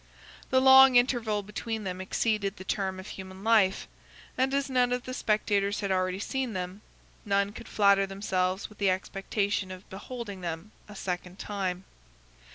The long interval between them 57 exceeded the term of human life; and as none of the spectators had already seen them, none could flatter themselves with the expectation of beholding them a second time.